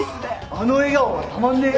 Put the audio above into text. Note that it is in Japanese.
あの笑顔がたまんねえ。